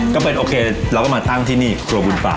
ก็เป็นโอเคเราก็มาตั้งที่นี่ครัวบุญป่า